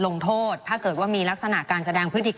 ไม่ได้เป็นประธานคณะกรุงตรี